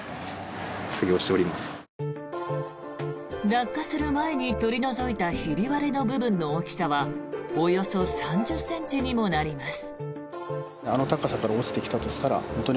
落下する前に取り除いたひび割れの部分の大きさはおよそ３０ｃｍにもなります。